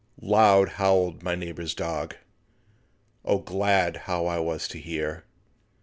Loud howled my neighbour's dog, O glad was I to hear.